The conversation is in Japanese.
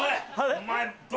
お前。